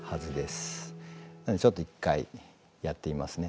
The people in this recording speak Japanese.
ちょっと一回やってみますね。